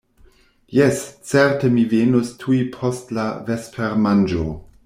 Jes, certe, mi venos tuj post la vespermanĝo.